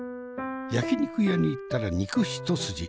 焼肉屋に行ったら肉一筋。